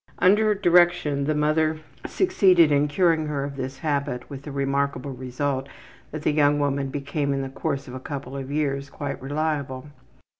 Under direction, the mother succeeded in curing her of this habit, with the remarkable result that the young woman became in the course of a couple of years quite reliable.